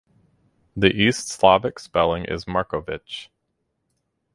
The East Slavic spelling is Markovich.